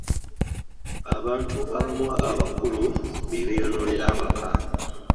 Abantu abamu abakulu be beeyonoonera amaka.